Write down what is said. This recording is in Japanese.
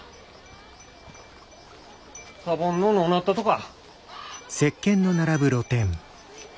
サボンののうなったとか？